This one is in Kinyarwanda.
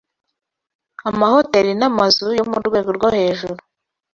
Amahoteri n’amazu yo mu rwego rwo hejuru